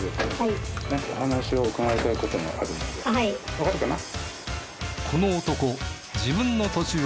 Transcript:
わかるかな？